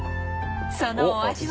そのお味は？